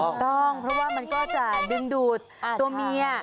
ถูกต้องเพราะว่ามันก็จะดึงดูดตัวเมีย